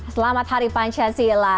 selamat hari pancasila